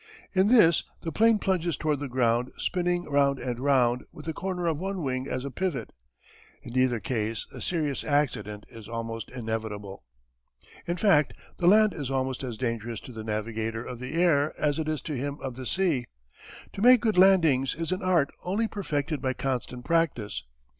In this the plane plunges toward the ground spinning round and round with the corner of one wing as a pivot. In either case a serious accident is almost inevitable. In fact the land is almost as dangerous to the navigator of the air as it is to him of the sea. To make good landings is an art only perfected by constant practice.